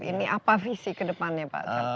ini apa visi kedepannya pak camat